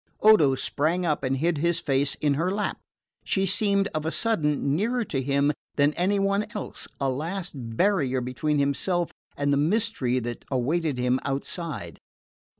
Odo sprang up and hid his face in her lap. She seemed, of a sudden, nearer to him than any one else a last barrier between himself and the mystery that awaited him outside.